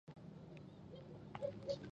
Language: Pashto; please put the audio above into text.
لا یې منځ د شنه ځنګله نه وو لیدلی